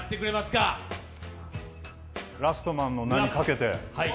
「ラストマン」の名にかけて。